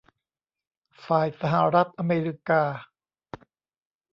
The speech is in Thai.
ฝ่ายสหรัฐอเมริกา